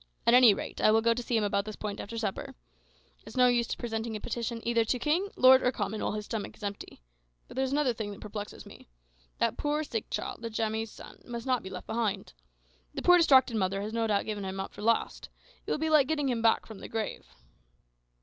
At any rate I will go to see him about this point after supper. It's of no use presenting a petition either to king, lord, or common while his stomach is empty. But there is another thing that perplexes me: that poor sick child, Njamie's son, must not be left behind. The poor distracted mother has no doubt given him up for lost. It will be like getting him back from the grave."